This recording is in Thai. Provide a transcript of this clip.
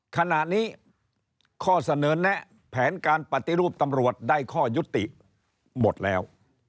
ขณะนี้ข้อเสนอแนะแผนการปฏิรูปตำรวจได้ข้อยุติหมดแล้ว